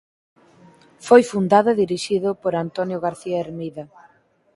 Foi fundado e dirixido por Antonio García Hermida.